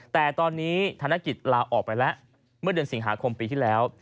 แต่ตอนนี้ธนกิจลาออกไปแล้วเมื่อเดือนสิงหาคมปีที่แล้ว